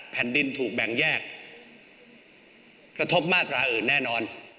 แผ่นดินถูกแบ่งแยกกระทบมาตราอื่นแน่นอน